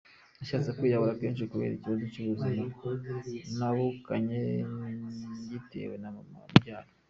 Nashatse kwiyahura kenshi kubera ikibazo cy’ubuzima nabukanye ngitewe na Mama umbyara.